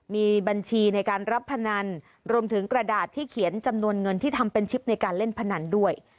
มีบัญชีในการรับพนันรวมถึงกระดาษที่เขียนจำนวนเงินที่ทำเป็นชิปในการเล่นพนันด้วย